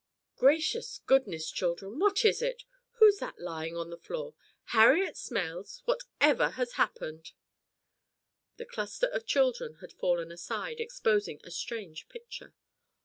"Gracious goodness, children, what is it? Who's that lying on the floor? Harriet Smales! What ever has happened?" The cluster of children had fallen aside, exposing a strange picture.